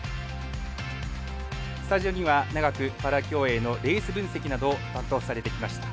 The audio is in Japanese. スタジオには長くパラ競泳のレース分析などを担当されてきました